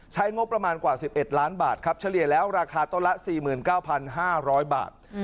ใช้งบประมาณกว่า๑๑ล้านบาทครับเฉลี่ยแล้วราคาต้นละ๔๙๕๐๐บาท